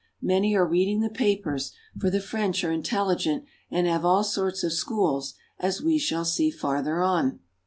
Many are reading the papers, for the French are intelligent and have all sorts of schools, as we shall see farther on.